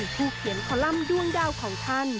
ผู้เขียนคอลัมป์ด้วงดาวของท่าน